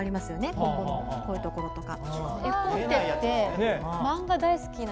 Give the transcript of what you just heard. ここのこういうところとか。